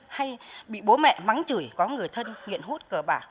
hay bị bố mẹ mắng chửi có người thân nghiện hút cờ bạc